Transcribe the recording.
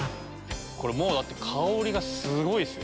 これもう香りがすごいっすよ。